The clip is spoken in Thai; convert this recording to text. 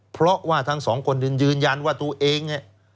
เพราะว่าทั้ง๒คนยืนยันว่าตัวเอง